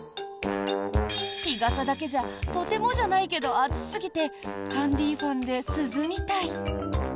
日傘だけじゃとてもじゃないけど暑すぎてハンディーファンで涼みたい。